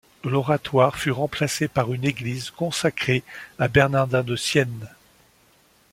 L'oratoire fut remplacé par une église consacrée à Bernardin de Sienne.